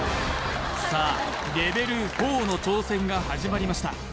レベル４の挑戦が始まりました